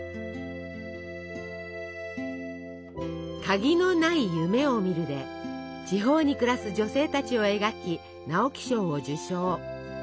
「鍵のない夢を見る」で地方に暮らす女性たちを描き直木賞を受賞。